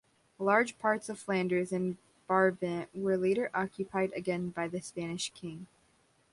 Large parts of Flanders and Brabant were later occupied again by the Spanish king.